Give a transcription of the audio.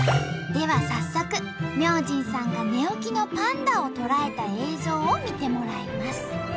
では早速明神さんが寝起きのパンダを捉えた映像を見てもらいます。